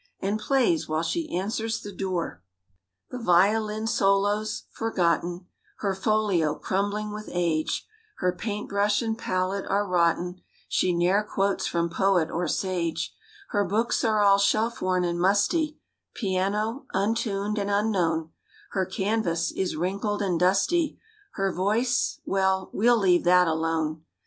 And plays—while she answers the door. The violin solo's, forgotten; Her folio—crumbling with age; Her paint brush and palette are rotten; She ne'er quotes from poet or sage; Her books are all shelf worn and musty; Piano—untuned and unknown; Her canvas—is wrinkled and dusty ; Her voice—^well; we'll leave that alone.